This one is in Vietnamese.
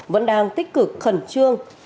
vẫn đang tích cực khẩn trương